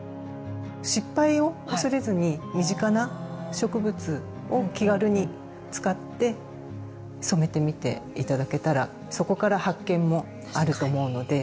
失敗を恐れずに身近な植物を気軽に使って染めてみて頂けたらそこから発見もあると思うので。